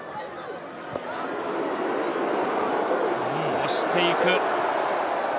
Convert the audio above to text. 押していく。